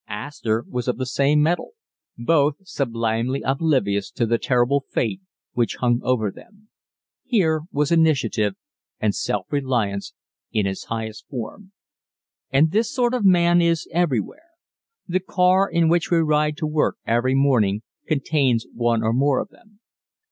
Astor was of the same metal both sublimely oblivious to the terrible fate which hung over them. Here was initiative and self reliance in its highest form. And this sort of man is everywhere. The car in which we ride to work every morning contains one or more of them.